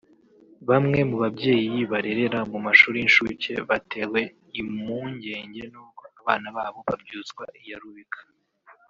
Bamwe mu babyeyi barerera mu mashuri y’inshuke batewe imoungenge n’uko abana babo babyutswa iya rubika